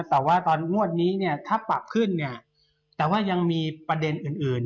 แต่ว่าตอนงวดนี้เนี่ยถ้าปรับขึ้นเนี่ยแต่ว่ายังมีประเด็นอื่น